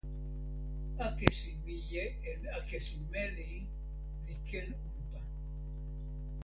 akesi mije en akesi meli li ken unpa.